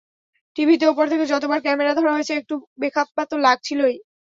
টিভিতে ওপর থেকে যতবার ক্যামেরা ধরা হয়েছে, একটু বেখাপ্পা তো লাগছিলই।